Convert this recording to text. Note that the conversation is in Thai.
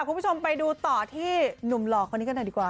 คุณผู้ชมไปดูต่อที่หนุ่มหลอกคนนี้ก็ได้ดีกว่า